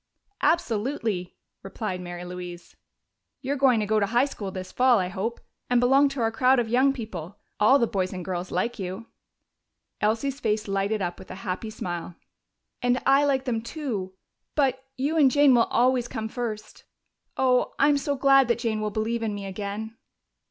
"Absolutely!" replied Mary Louise. "You're going to go to high school this fall, I hope, and belong to our crowd of young people. All the boys and girls like you." Elsie's face lighted up with a happy smile. "And I like them, too but you and Jane will always come first. Oh, I'm so glad that Jane will believe in me again!"